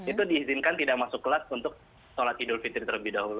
itu diizinkan tidak masuk kelas untuk sholat idul fitri terlebih dahulu